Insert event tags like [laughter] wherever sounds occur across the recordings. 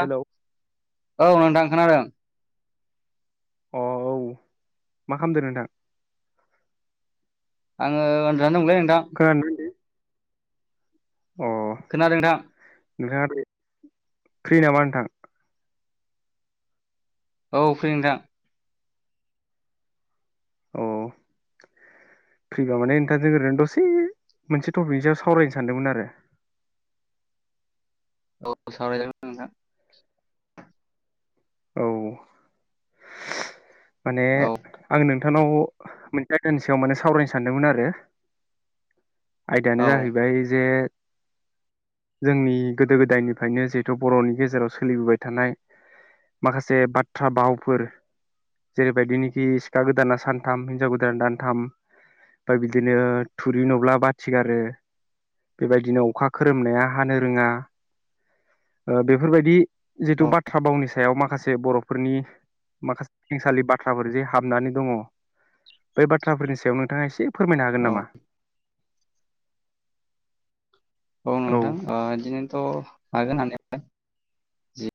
हेल' औ नोंथां खोनादों। अ औ मा खालामदो नोंथां? आङो उन्दुनानै दंलै नोंथां। खोनादोंना नोंथां अ। खोनादों नोंथां। नोंथाङा फ्रि नामा नोंथां? औ फ्रि नोंथां। औ फ्रिबा माने नोंथांजों ओरैनो दसे मोनसे टपिकनि सायाव सावरायनो सानदोंमोन आरो। औ सावरायजागोन नोंथां। औ। माने औ आं नों नोंथांनाव मोनसे आयदानि सायाव माने सावरायनो सानदोंमोन आरो। आयदायानो औ जाहैबाय जे जोंनि गोदो गोदायनिफ्रायनो जिहेथु बर'नि गेजेराव सोलिबोबाय थानाय माखासे बाथ्रा भावफोर जेरैबायदिनोखि सिखा गोदाना सानथाम हिनजाव गोदाना दानथाम, ओमफ्राय बिदिनो थुरि नुब्ला बाथि गारो, बेबायदिनो अखा खोरोमनाया हानो रोङा बेफोरबायदि जिथु औ बाथ्रा भावनि सायाव माख माखासे बर'फोरनि माखासे खेंसालि बाथ्राफोर जे हाबनानै दङ' बै बाथ्राफोरनि सायाव नोंथाङा एसे फोरमायनो हागोन औ नामा? औ नोंथां बिदिनोथ' हागोन हानायालाय जि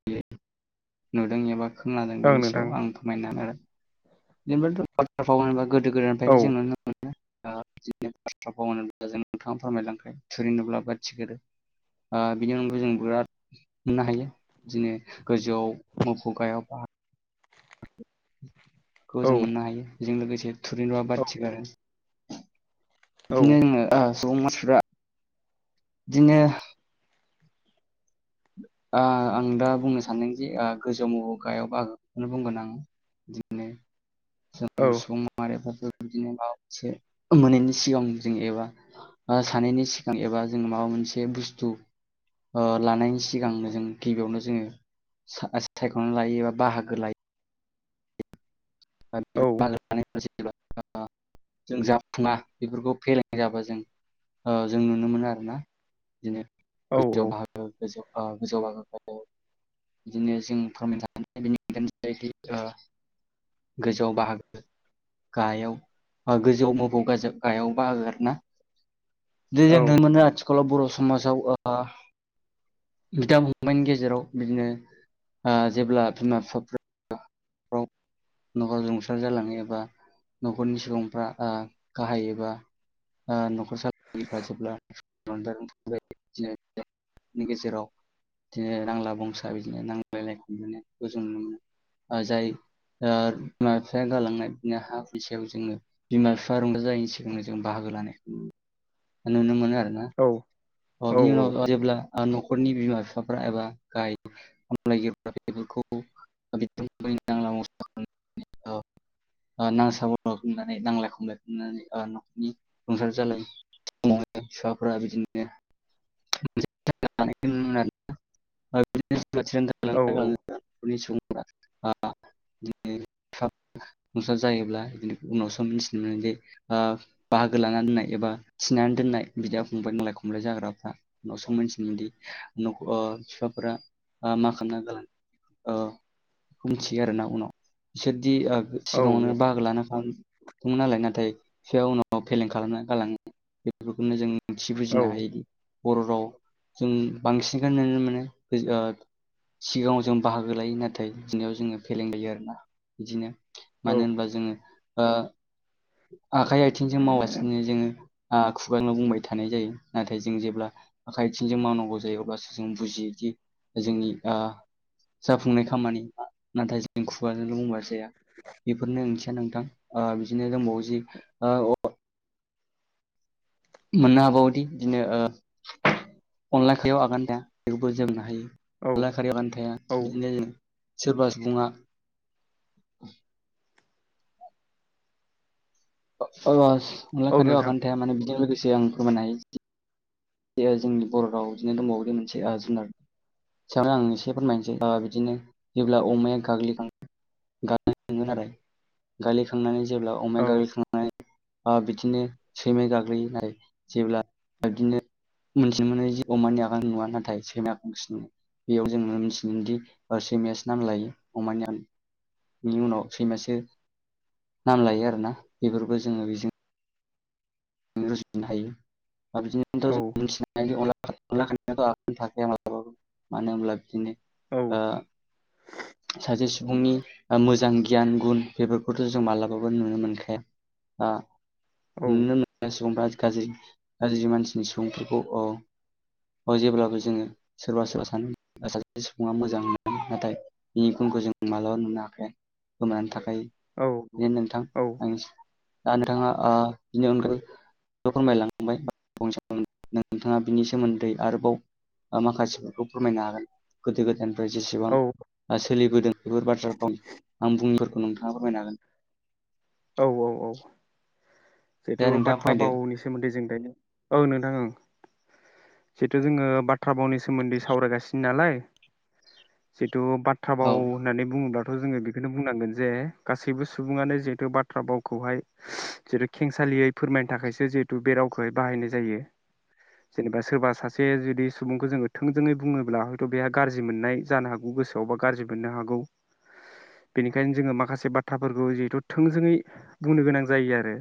नुदों एबा खोनादों ओं बेनि नोंथां सायाव आं फोरमायनो नाजागोन। [unintelligible] गोदो औ गोदायनिफ्रायनो जों नुनो मोनो [unintelligible] जों नोंथाङा फोरमायलांबाय थुरि नुब्ला बाथि गारो मिथिगोरो ओ बिनि अनगायै जों बिराद मोननो हायो बिदिनो गोजौआव मोफौ गाहायाव बाहागो खौ औ जों मोननो हायो बेजों लोगोसे थुरि नुब्ला औ बाथि गारो बिदिनो जों ओ गुबुन मानसिफोरा बिदिनो ओ आं दा बुंनो सानदों जे ओ गोजौआव मौफौ गाहायाव बाहागोखौनो बुंगोन आं बिदिनो जों औ सुबुं माहारिफ्राथ बिदिनो माबा मोनसे मोनैनि सिगां जों एबा सानैनि सिगां एबा जो माबा मोनसे बुस्थु ओ लानायनि सिगांनो जों गिबियावनो जोङो सायख'नानै लायो एबा बाहागो लायो। औ [unintelligible] [unintelligible] जों जाफुङा बेफोरखौ फेलेंनाय जाबा जों जों नुनो मोनो आरोना बिदिनो [unintelligible] औ गोजौ बागोखौ बिदिनो जों फोरमायनो थ बेनि अनगायनो जै [unintelligible] गोजौआव बाहागो गायाव गोजौआव मोफौ गाहायाव बाहागो आरोना। दे औ जों नुनो आथिखालाव बर' समाजाव ओ बिदा फंबाइनि गेजेराव बिदिनो ओ जेब्ला बिमा बिफा न'खराव रुंसार जालाङो एबा न'खरनि सुबुंफ्रा आ गाहायैबा न'खर सालफ्रा जेब्ला गेजेराव बिदिनो नांला बंसा बिदिनो नांलायनायखौ जों नुनो मोनो जाय आ बिमा बिफाया गालांनाय बिनो हा फैसायाव जोङो बिमा बिफा रंजा जायैनि सिगां जों बाहागो लानायखौ नुनो मोनो औ औ आरो। जेब्ला नखरनि बिमा बिफाफ्रा एबा गायामलायगिरिफोरा बेफोरखौ नां [inaudible] [unintelligible] नांसाब खनानै नांलाय खमलाय खनानै न'खरनि संसार जालाय समाव फिाफोरा बिदिनो नुनो मोन बिदिनो औ [unintelligible] [unintelligible] बि नस [unintelligible] जायोब्ला बिदिनो उनावसो मिथिनो मोनोदि बाहागो लाना दोननाय एबा सिनानै दोननाय बिदा फंबबाय नांलाय खमलाय जाग्राफ्रा उनावसो मिथिनोदि बिफाफोरा मा खालामना बे मिथियो आरोना उनाव से बिदि सिगाङावनो बाहागो लानो खालामदोंमोन नालाय नाथाय एसे उनाव फेलें खालामना गालाङो बेफोरखौनो जों थि बुजिनो हायोदि बर' राव जों बांसिनखौ नुनो मोनो ओ सिगाङाव जों बाहागो लायो नाथाय बिनायाव जोङो फेलें जायो आरोना। बिदिनो। मानो होनबा जोङो ओ आखाइ आथिंजों मावासिनो जोङो ओ खुगाजोंल' बुंबाय थानाय जायो नाथाय जों जेब्ला आखाइ आथिंजों मावनांगौ जायो अब्लासो जों बुजियोदि जोंनि ओ जाफुंनाय खामानि नाथाय जों खुगाजोंल' बुंगासिनो बेफोरनो ओंथि नोंथां ओ बिदिनो मौजि अ मोननो हाबावोदि बिदिनो ओ अनला ओंख्रैयाव आगान थाया बेखौबो जोंनो हायो। औ अनला खारानो थाया औ सोरबा सुबुङा। [inaudible] अनला औ खारैयाव नोंथां आगान थाया माने बेजों लोगोसे आं [inaudible] बेयो जोंनि बर' राव बिदिनो दंबावो बे मोनसे जुनार सायावनो आं एसे फोरमायनोसै बिदिनो जेब्ला अमाया गाग्लिखांङो आरो गाग्लिखांनानै जेब्ला अमाया औ गाग्लिखांनाय ओ बिदिनो सैमा गाग्लियो नाय जेब्ला बिदिनो मोनथिनो मोनोदि अमानि आगान नुवा नाथाय सैमाया आ बेयाव जों मोनथिनो मोनदि सैमायासो नाम लायो अमानि आ बिनि उनाव सैमासो नाम लायो आरोना बेफोरखौ जोङो बेजों जों रुजुनो हायो। अ बिदिनोथ' औ जों [inaudible] [inaudible] थाखाया माब्लाबाबो। मानो होनोब्ला बिदिनो औ ओ सासे सुबुंनि मोजां गियान गुन बेफोरखौथ' जों मालाबाबो नुनो मोनखाया। ओ औ [inaudible] सुबुं फ्रा आथिं गाज्रि गाज्रि मानसिनि सुबुंफोरखौ अ अ जेब्लाबो जोङो सोरबा सोरबा सानो सासे सुबुङा मोजां होननानै नाथाय बिनि गुनखौ जों मालाबा नुनो हाखाया गोमानै थाखा बे नोंथां औ आं दा नोंथाङा आ बिनि अनगायै फोरमायलांबाय नोंथाङा बिनि सोमोन्दै आरोबाव माखासेफोरखौ फोरमायनो हागोन नामा गोदो गोदाय ओफ्राय जेसेबां ओ सोलिबोदों बेफोर बाथ्राखौ आं मुंफोरखौ नोंथाङा फोरमायनो हागोन। औ औ औ। दे जिहेथु नोंथाङा बाथ्रा फरायदो बावनि सोमोन्दै जों दायो औ नोंथां ओं जिथ' जोङो बाथ्रा भावनि सोमोन्दै सावरायगासिनो नालाय। जि थच बाथ्रा औ बाव होननानै बुङोब्ला थ' जोङो बेखौनो बुंनांगोन जे गासैबो सुबुङानो जिहेथु बाथ्रा बाथ्रा बावखौहाय जितु खेंसालियै फोरमायनो थाखायसो जिहेथु बे रावखौहाय बाहायनाय जायो जेनेबा सोरबा सासे जुदि सुबुंखौ जोङो थोंजोङै बुङोब्ला हयथ' बेहा गाज्रि मोननाय जानो हागौ गोसोआवबा गाज्रि मोननो हागौ बेनिखायनो जोङो माखासे बाथ्राफोरखौ जिहेथु थोंजोङै बुंनो गोनां जायो आरो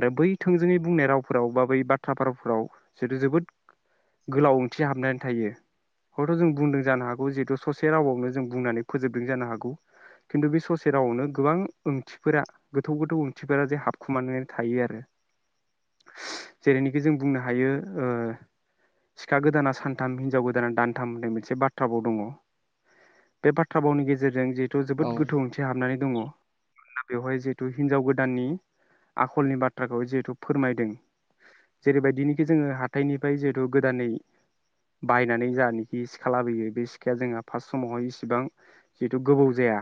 आरो बै थोंजोङै बुंनाय रावफोराव बा बै बाथ्रा बावफोराव जितु जोबोद गोलाव ओंथि हाबनानै थायो हयथ' जों बुंदों जानो हागौ जिहेतु ससे रावावनो जों बुंनानै फोजोबदों जानो हागौ खिन्थु बे ससे रावावनो गोबां ओंथिफोरा गोथौ गोथौ ओंथिफोरा जे हाबखुमाना थायो आरो जेरैनिखि जों बुंनो हायो ओ सिखा गोदाना सानथाम हिनजाव गोदाना दानथाम होननाय मोनसे बाथ्रा भाव दङ बे बाथ्रा भावनि गेजेरजों जि थ' औ जोबोद गोथौ मोनसे हाबनानै दङ। बेवहाय जिहेतु हिनजाव गोदाननि आखलनि बाथ्राखौ जिहेतु फोरमायदों जेरैबायदिनिखि जोङो हाथायनिफ्राय जिहेथु गोदानै बायनानै जानाखि सिखा लाबोयो बे सिखाया जोंहा फार्स्ट समावहाय इसिबां जिहेथु गोबौ जाया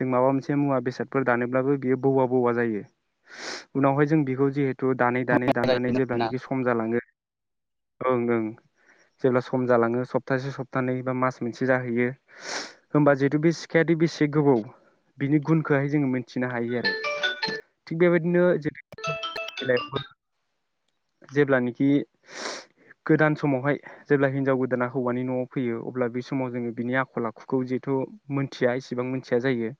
जों माबा मोनसे मुवा बेसाद फोर दानोब्लाबो बियो बौवा बौवा जायो उनावहाय जों बेखौ जिहे दानै दानै समाया दाननानै जाहैबाय आरोना। जेब्लानाखि सम जालाङो ओं ओं जेब्ला सम जालाङो सप्तासे सप्तानैै बा मास मोनसे जाहैयो होमबा जिहेतु बे सिखायाथ' बेसे गोबौ बिनि गुनखौहाय जोङो मिथिनो हायो आरो थिग बेबायदिनो [unintelligible] बेलायावबो जेब्लानोखि गोदान समावहाय जेब्ला हिनजाव गोदाना हौवानि न'आव फैयो अब्ला बे समाव जोङो बिनि आखल आखुखौ जिहेथु मोनथिया इसिबां मोनथिया जायो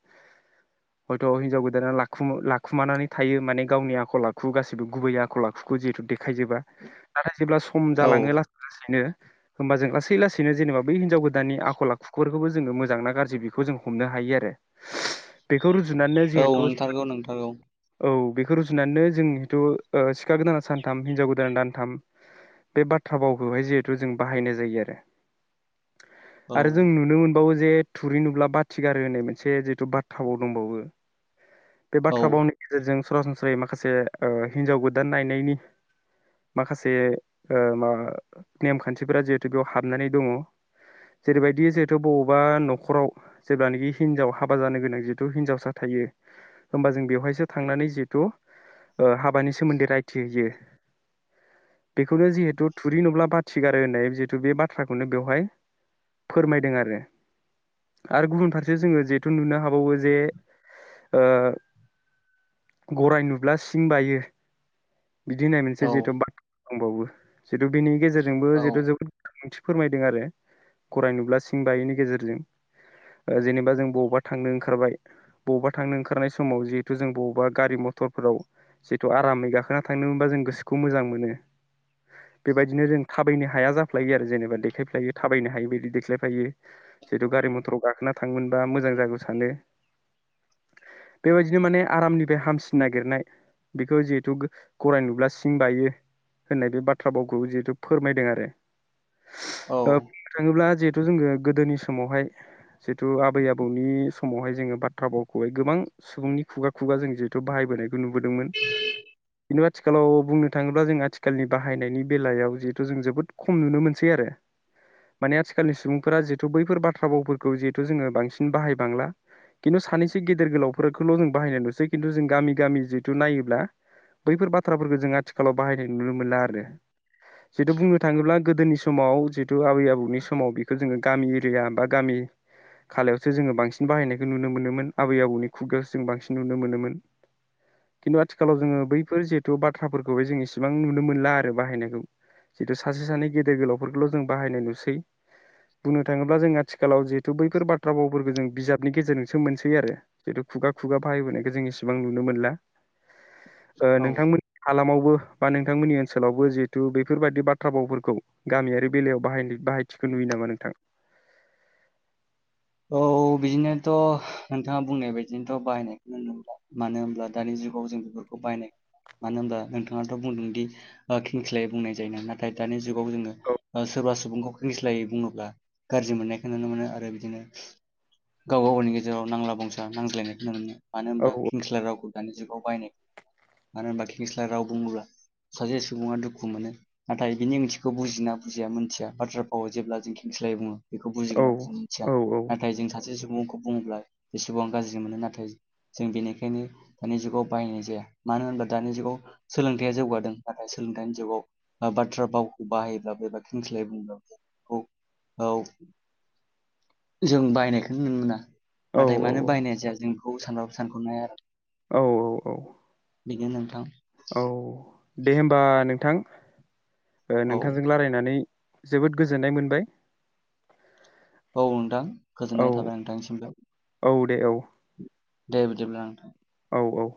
हयथ' हिनजाव गोदाना लाखुम-लाखुमानानै थायो माने गावनि आखल आखु गासिबो गुबै आखल आखुखौ जिहेतु देखायजोबा नाथाय जेब्ला सम औ जालाङो लासै लासैनो। होमबा जों लासै लासैनो जेनेबा बै हिनजाव गोदाननि आखल आखुफोरखौबो जोङो मोजां ना गाज्रि बेखौ जों हमनो हायो आरो बे बे खौ रुजुनानै औ जिहेथु नंथारगौ नंथारगौ औ बे रुजुनानै जों जिहुथु सिखा गोदाना सान दानथाम हिनजाव गोदान दानथाम बे बाथ्रा बावखौहाय जिहेथु जों बाहायनाय जायो आरो औ आरो जों नुनो मोनबावो जे थुरि नुब्ला बाथि गारो होनाय मोनसे जिहेथु बाथ्रा भाव दंबावो बे औ बाथ्रा बावनि गेजेरजों सरासनस्रायै माखासे ओ हिनजाव गोदान नायनायनि माखासे ओ मा नेमखान्थिफोरा जिहेथु बेयाव हाबनानै दङ जेरैबायदि जिहेथु बबावबा न'खराव जेब्लानोखि हिनजाव हाबा जानो गोनां जिहेथु हिनजावसा थायो होमबा जों बेवहायसो थांनानै जिहेथु ओ हाबानि सोमोन्दै रायथिहैयो बेखौनो जिहेथु थुरि नुब्ला बाथि गारो होननाय जिहेतु बे बाथ्राखौनो बेवहाय फोरमायदों आरो आरो गुबुन फारसे जोङो जिहेथु नुनो हाबावो जे ओ गराय नुब्ला सिं बायो बिदि होननाय मोनसे औ जिहेथु बाथ दंबावो जिहेथु बेनि गेजेरजोंबो औ जिहथु जबोद [inaudible] थि फोरमायदों आरो गराय नुब्ला सिं बायैनि गेजेरजों ओ जेनेबा जों बबावबा थांनो ओंखारबाय बबावबा थांनो ओंखारनाय समाव जिहेथु जों बबावबा गारि मथरफोराव जिहेतु आरामै गाखोना थांनो मोनबा जों गोसोखौ मोजां मोनो गराय नुब्ला सिं बायो होननाय बे बाथ्रा बावखौ जिहेतु फोरमायदों आरो ओ बुंनो थाङोब्ला जे जोङो गोदोनि समावहाय जिहेतु आबै आबौनि समावहाय जोङो बाथ्रा भावखौहाय गोबां सुबुंनि खुगा खुगा जों जिहेथु बाहायबोनायखौ नुबोदोंमोन खिन्थु आथिखालाव बुंनो थाङोब्ला जों आथिखालनि बाहायनायनि बेलायाव जिहेथु जों जोबोद खम नुनो मोनसै आरो माने आथिखालनि सुबुंफोरा जिहेथु बैफोर बाथ्रा बावफोरखौ जिहेथु जोङो बांसिन बाहायबांला खिन्थु सानैसो गेदेर गोलावफोरखौल' जों बाहायनायनुसै खिन्थु जों गामि गामि जिहेथु नायोब्ला बैफोर बाथ्राफोरफोरखौ जों आथिखालाव बाहायनाय नुनो मोनला आरो जिहेतु बुंनो थाङोब्ला गोदोनि समाव जिहेतु आबै आबौनि समाव बेखौ जोङो गामि एरिया बा गामि खालायावसो जोङो बांसिन बाहायनायखौ नुनो मोनोमोन आबै आबौनि खुगायावसो जों बांसिन नुनो मोनोमोन खिन्थु आथिखालाव जोङो बै बेफोर जिहेतु बाथ्राफोरखौहाय जों इसेबां नुनो मोनला आरो बाहायनायखौ जिहेतु सासे सानै गेदेर गोलावफोरखौल' जों बाहायनाय नुसै बुंनो थाङोब्ला जों आथिखालाव जिहेतु बैफोर बाथ्रा भावफोरखौ जों बिजाबनि गेजेरजोंसो मोनसै आरो जिहेतु खुगा खुगा बाहायबोनायखौ जों इसेबां नुनो मोनला ओ औ नोंथांमोननि हालामावबो बा नोंथांमोननि ओनसोलावबो जिहेथु बेफोरबादि बाथ्रा बावफोरखौ गामियारि बेलायाव बाहाय बाहायथिखौ नुयो नामा नोंथां औ बिदिनोथ' नोंथाङा बुंनाय बदिनोथ' बाहायनायखौनो नुनो मोनला होनोमब्ला दानि जुगाव जों बेफोरखौ बाहनाय मानो होनब्ला नोंथाङाथ' बुंदोंदि खेंस्ला बुंनाय जाय ना नाथाय दानि जुगाव औ जोङो सोरबा सुबुंखौ खेंस्लायै बुङोब्ला गाज्रि मोननायखौ नुनो मोनो आरो बिदिनो गावबा गावनि गेजेराव नांला बंसा नांज्लायनायखौ नुनो मोनो मानो औ होनबा हिंस्ला रावखौ दानि जुगाव बायनाय मानो होनबा खेंस्ला राव बुङोब्ला सासे सुबुङा दुखु मोनो नाथाय बिनि ओंथिखौ बुजिना बुजिया मिथिया बाथ्रा फावो जेब्ला जों खेंस्लायै बुङो बेखौ औ बुजिना मिथिया औ औ नाथाय जों सासे सुबुंखौ बुङोब्ला जेसेबां गाज्रि मोनो नाथाय जों बेनिखायनो दानि जुगाव बाहायनाय जाया मानो होनबा दानि जुगाव सोलोंथाया जौगादों नाथाय सोलोंथाइनि जुगाव बाथ्रा फावखौ बाहायोब्ला एबा खेंस्लायै बुङोब्ला बुं औ जों बायनायखोनो नुनो मोना औ नाथाय मानो बायनाय जाया जों बेखौ सानबाबो सानख'नो हाया आरो औ औ औ बेनो नोंथां औ दे होमबा नोंथां औ नोंथांजों रायलायनानै जोबोद गोजोननाय मोनबाय। औ नोंथां औ गोजोननाय थाबाय नोंथांनिसिमबो। औ दे औ दे बिदिब्ला नोंथां। औ औ।